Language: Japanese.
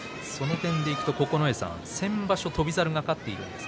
九重さん、先場所翔猿が勝っています。